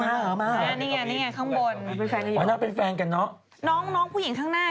เอามาเหรอนี่ไงข้างบนน้องผู้หญิงข้างหน้าคือน้องน้องผู้หญิงข้างหน้าคือ